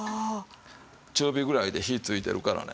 中火ぐらいで火ついてるからね。